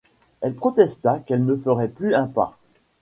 Elle protesta qu’elle ne ferait plus un pas.